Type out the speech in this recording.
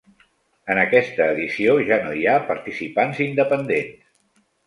En aquesta edició ja no hi ha participants independents.